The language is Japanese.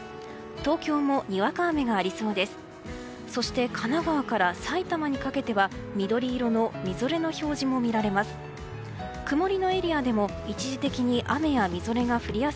東京もにわか雨がありそうです。